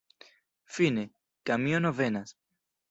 Fine, kamiono venas.